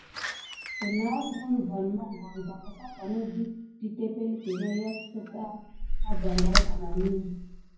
Kənahet woun van mogoni va kəsapanek də tepelke na yas kəta a dangay mənani.